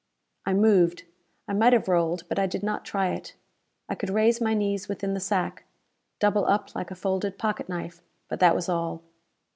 I moved. I might have rolled, but I did not try it. I could raise my knees within the sack double up like a folded pocket knife but that was all.